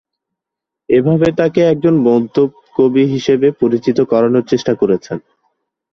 এভাবে তাকে একজন মদ্যপ কবি হিসেবে পরিচিত করানোর চেষ্টা করেছেন।